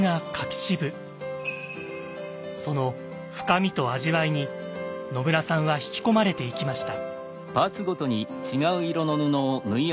その深みと味わいに野村さんは引き込まれていきました。